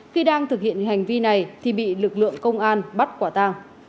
khi đang thực hiện hành vi này thì bị lực lượng công an bắt quả tang